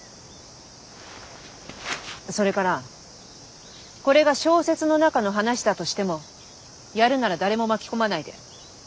それからこれが小説の中の話だとしてもやるなら誰も巻き込まないで一人でやって。